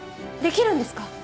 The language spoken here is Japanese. できるんですか？